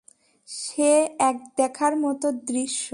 সে এক দেখার মতো দৃশ্য!